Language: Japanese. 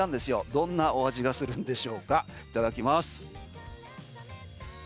どんなお味がするんでしょうかいただきます。